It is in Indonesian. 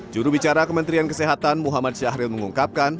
jurubicara kementerian kesehatan muhammad syahril mengungkapkan